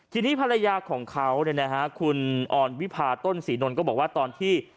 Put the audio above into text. ทีนี้ภรรยาของเขาเนี่ยนะฮะคุณออนวิพาต้นศรีนนท์ก็บอกว่าตอนที่